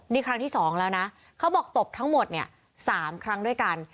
นี่ครั้งที่๒แล้วนะเขาบอกตบทั้งหมดเนี่ย๓ครั้งด้วยกัน